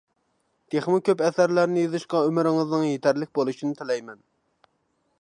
تېخىمۇ كۆپ ئەسەرلەرنى يېزىشقا ئۆمرىڭىزنىڭ يېتەرلىك بولۇشىنى تىلەيمەن!